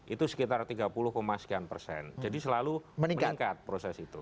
itu sekitar tiga puluh sekian persen jadi selalu meningkat proses itu